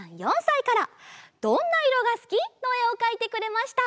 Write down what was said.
「どんな色がすき」のえをかいてくれました。